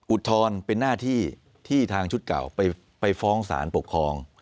อุทธรณ์เป็นหน้าที่ที่ทางชุดเก่าไปฟ้องสารปกครอง